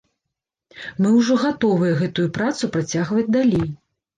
Мы ўжо гатовыя гэтую працу працягваць далей.